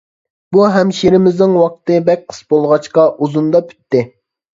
بۇ ھەمشىرىمىزنىڭ ۋاقتى بەك قىس بولغاچقا ئۇزۇندا پۈتتى.